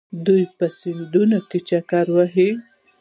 دوی په سیندونو کې چکر وهي.